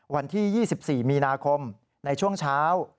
วันที่๒๔มีนาคมในช่วงเช้า